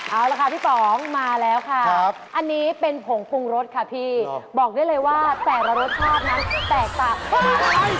เอาละค่ะพี่ป๋องมาแล้วค่ะอันนี้เป็นผงปรุงรสค่ะพี่บอกได้เลยว่าแต่ละรสชาตินั้นแตกต่างกัน